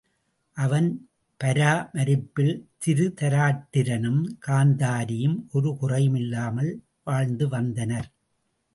அவன் பரா மரிப்பில் திருதராட்டிரனும் காந்தாரியும் ஒரு குறையும் இல்லாமல் வாழ்ந்து வந்தனர்.